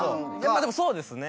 まあでもそうですね。